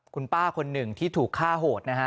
คุณป้าคนหนึ่งที่ถูกฆ่าโหดนะฮะ